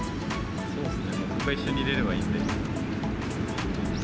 そうですね、僕は一緒にいれればいいんで。